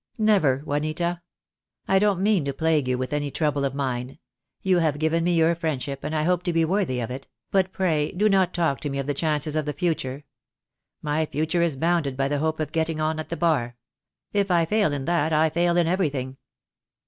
"Never, Juanita. I don't mean to plague you with any trouble of mine. You have given me your friendship, and I hope to be worthy of it; but pray do not talk to me of the chances of the future. My future is bounded by the hope of getting on at the Bar. If I fail in that I fail in everything."